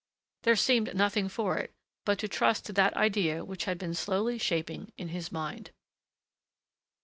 There seemed nothing for it but to trust to that idea which had been slowly shaping in his mind.